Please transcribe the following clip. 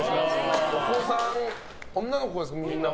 お子さん、女の子ですね、みんな。